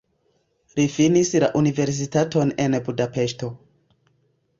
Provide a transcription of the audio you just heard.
Li finis la universitaton en Budapeŝto.